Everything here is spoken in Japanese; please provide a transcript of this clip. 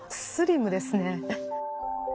スリムですね。